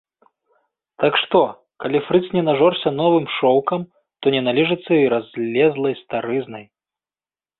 Так што, калі фрыц не нажорся новым шоўкам, то не наліжацца і разлезлай старызнай.